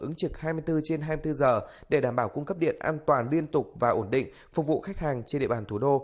ứng trực hai mươi bốn trên hai mươi bốn giờ để đảm bảo cung cấp điện an toàn liên tục và ổn định phục vụ khách hàng trên địa bàn thủ đô